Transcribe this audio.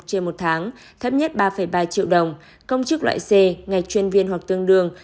trên một tháng thấp nhất ba ba triệu đồng công chức loại c ngày chuyên viên hoặc tương đương